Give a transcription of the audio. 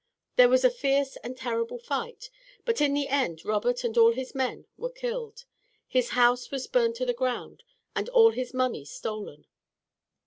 There was a fierce and terrible fight, but in the end Robert and all his men were killed. His house was burned to the ground and all his money stolen.